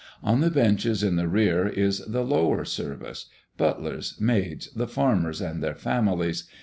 On the benches in the rear is the lower service, butlers, maids, the farmers and their families.